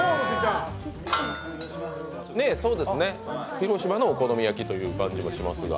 広島のお好み焼きという感じもしますが。